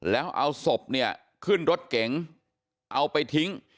แล้วเอาศพเนี่ยขึ้นรถเก๋งเอาไปทิ้ง